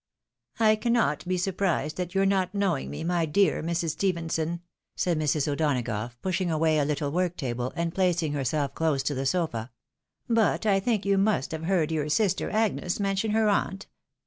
" I cannot be surprised at your not knowing me, my dear Mrs. Stephenson," said Mrs. O'Donagough, pushing away a little work table, and placing herself close to the sofa, " but I think you must have heard your sister Agnes mention her aunt.